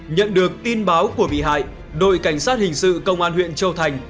nhận được tin báo của bị hại đội cảnh sát hình sự công an huyện châu thành